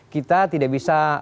kita tidak bisa